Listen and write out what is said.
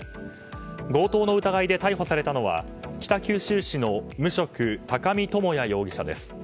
強盗の疑いで逮捕されたのは北九州市の無職高見智哉容疑者です。